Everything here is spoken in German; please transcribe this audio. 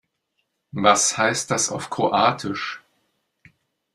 Was heißt das auf Kroatisch?